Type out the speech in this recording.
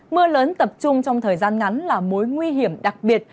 mưa lớn tập trung trong thời gian ngắn là mối nguy hiểm đặc biệt